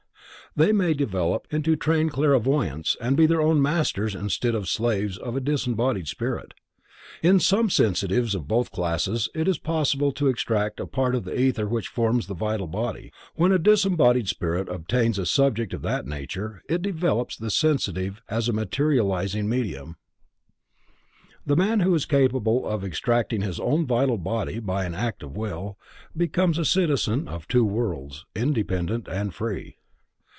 They may develop into trained clairvoyants, and be their own masters instead of slaves of a disembodied spirit. In some sensitives of both classes it is possible to extract part of the ether which forms the vital body. When a disembodied spirit obtains a subject of that nature, it develops the sensitive as a materializing medium. The man who is capable of extracting his own vital body by an act of will, becomes a citizen of two worlds, independent and free.